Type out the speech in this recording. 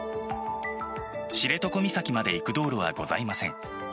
知床岬まで行く道路はございません。